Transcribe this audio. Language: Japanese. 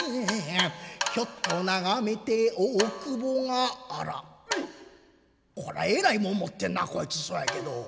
ひょっと眺めて大久保が「あらこらえらいもん持ってんなこいつそやけど」。